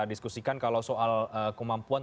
diskusikan kalau soal kemampuan